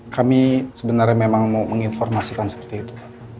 kami sebenarnya memang mau menginformasikan seperti itu